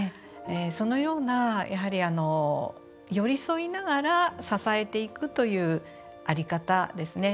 そのような、寄り添いながら支えていくという在り方ですね。